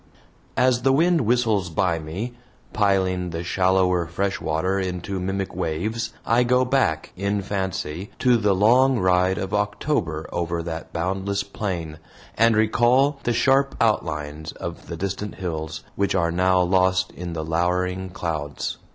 As the wind whistles by me, piling the shallower fresh water into mimic waves, I go back, in fancy, to the long ride of October over that boundless plain, and recall the sharp outlines of the distant hills, which are now lost in the lowering clouds.